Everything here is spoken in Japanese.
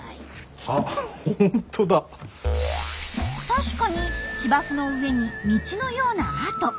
確かに芝生の上に道のような跡。